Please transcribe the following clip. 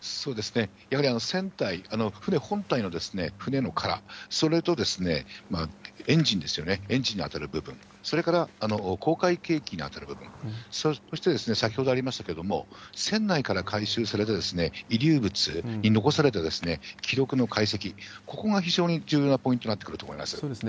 やはり船体、船本体の船から、それとエンジンですよね、エンジンに当たる部分、それから航海計器に当たる部分、そして先ほどありましたけれども、船内から回収された遺留物に残された記録の解析、ここが非常に重要なポイントになってくると思います。